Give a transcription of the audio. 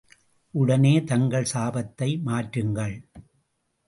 உடனே தங்கள் சாபத்தை மாற்றுங்கள்.